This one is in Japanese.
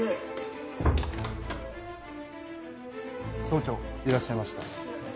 総長いらっしゃいました。